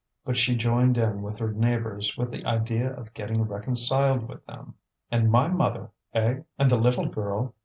But she joined in with her neighbours with the idea of getting reconciled with them. "And my mother, eh, and the little girl?